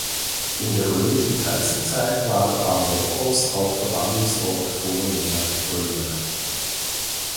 In der römischen Kaiserzeit war Amorgos auch Verbannungsort vornehmer Römer.